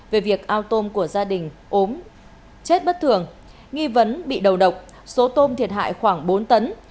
về việc ao tôm của gia đình ốm chết bất thường nghi vấn bị đầu độc số tôm thiệt hại khoảng bốn tấn